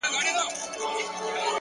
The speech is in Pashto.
په ساز جوړ وم. له خدايه څخه ليري نه وم.